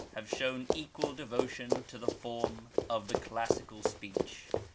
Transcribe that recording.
have shown equal devotion to the form of the classic speech.